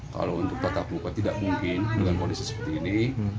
kalau untuk tatap muka tidak mungkin dengan kondisi seperti ini